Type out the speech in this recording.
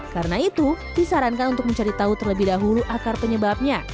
karena itu disarankan untuk mencari tahu terlebih dahulu akar penyebabnya